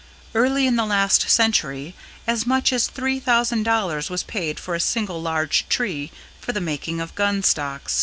Early in the last century as much as $3,000 was paid for a single large tree for the making of gunstocks.